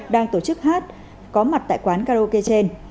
đang tổ chức hát có mặt tại quán karaoke trên